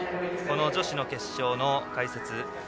女子の決勝の解説